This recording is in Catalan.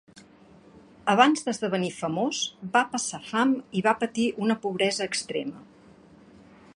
Abans d'esdevenir famós va passar fam i va patir una pobresa extrema.